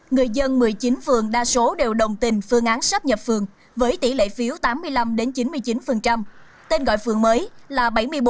người dân một mươi chín phường đa số đều đồng tình phương án sắp nhập phường với tỷ lệ phiếu tám mươi năm chín mươi chín tên gọi phường mới là bảy mươi bốn